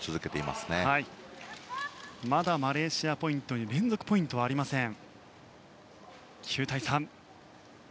まだマレーシアペアに連続ポイントはありません。